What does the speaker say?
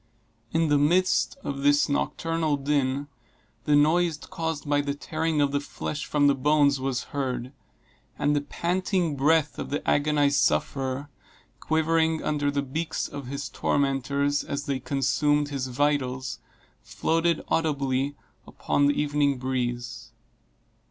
In the midst of this nocturnal din, the noise caused by the tearing of the flesh from the bones was heard, and the panting breath of the agonized sufferer, quivering under the beaks of his tormentors, as they consumed his vitals, floated audibly upon the evening breeze.